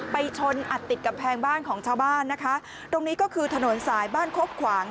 ชนอัดติดกำแพงบ้านของชาวบ้านนะคะตรงนี้ก็คือถนนสายบ้านโคกขวาง